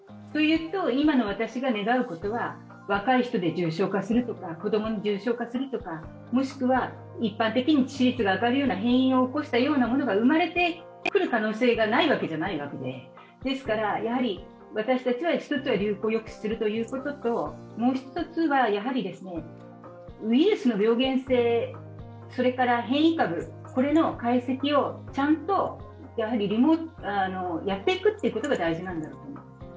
今の私が願うことは若い人で重症化するとか子供に重症化するとかもしくは一般的に致死率が上がるような変異を起こしたものが生まれてくる可能性がないわけじゃないのでですから、私たちは、１つは流行を抑止するということともう一つは、ウイルスの病原性、変異株、これの解析をちゃんとやっていくことが大事なんだと。